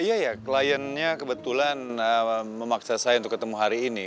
iya ya kliennya kebetulan memaksa saya untuk ketemu hari ini